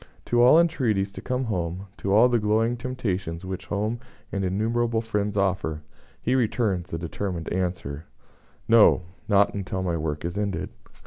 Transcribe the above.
To all entreaties to come home, to all the glowing temptations which home and innumerable friends offer, he returns the determined answer: "No; not until my work is ended."